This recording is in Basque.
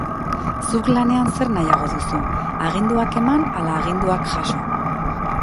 Zuk lanean zer nahiago duzu, aginduak eman ala aginduak jaso?